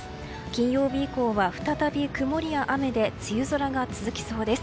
金曜日以降は再び曇りや雨で梅雨空が続きそうです。